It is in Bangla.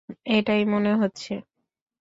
এটাই মনে হচ্ছে।